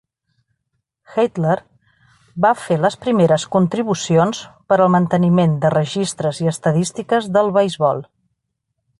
Heydler va fer les primeres contribucions per al manteniment de registres i estadístiques del beisbol.